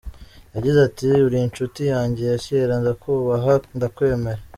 Yagize ati “Uri inshuti yanjye yakera, ndakubaha ndakwemera.